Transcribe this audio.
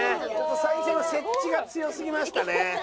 最初の接地が強すぎましたね。